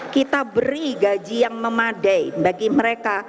kita beri gaji yang memadai bagi mereka